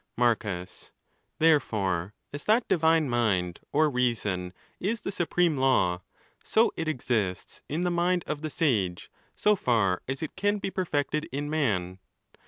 Marcus.—Therefore, as that Divine Mind, or reason, is the supreme law, so it exists in the mind of the sage, so far as it can be perfected in man.